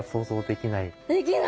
できない。